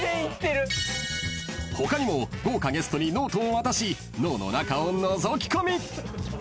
［他にも豪華ゲストにノートを渡し脳の中をのぞきこみ］